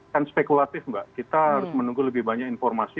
kan spekulatif mbak kita harus menunggu lebih banyak informasi